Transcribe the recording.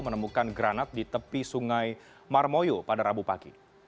menemukan granat di tepi sungai marmoyo pada rabu pagi